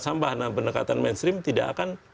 sampah nah pendekatan mainstream tidak akan